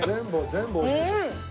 全部おいしいです。